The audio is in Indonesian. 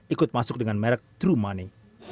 ikut masuk dengan merek true money